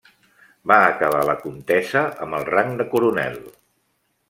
Va acabar la contesa amb el rang de coronel.